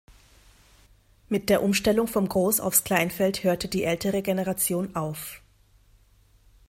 Mit der Umstellung vom Groß- aufs Kleinfeld hörte die ältere Generation auf.